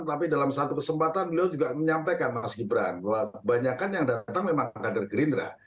tetapi dalam satu kesempatan beliau juga menyampaikan mas gibran bahwa banyakan yang datang memang kader gerindra